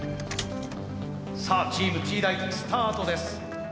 さあチームＴ大スタートです。